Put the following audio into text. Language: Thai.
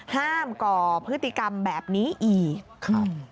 ห้ามก่อพฤติกรรมแบบนี้อีก